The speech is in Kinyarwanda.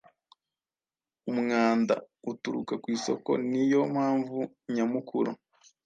Umwanda uturuka ku isoko ni yo mpamvu nyamukuru